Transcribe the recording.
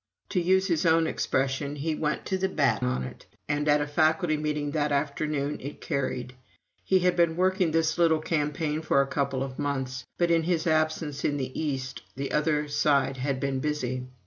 To use his own expression, he "went to the bat on it," and at a faculty meeting that afternoon it carried. He had been working his little campaign for a couple of months, but in his absence in the East the other side had been busy.